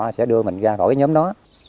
sẽ đưa mình ra gọi cái nhóm đó